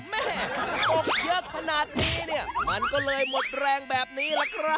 แม่ตกเยอะขนาดนี้เนี่ยมันก็เลยหมดแรงแบบนี้ล่ะครับ